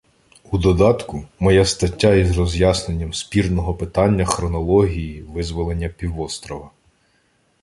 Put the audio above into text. У додатку — моя стаття із роз’ясненням спірного питання хронології визволення півострова.